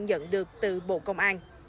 nhận được từ bộ công an